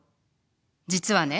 実はね